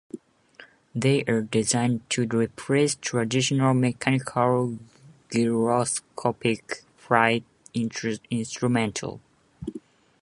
They are designed to replace traditional mechanical gyroscopic flight instruments.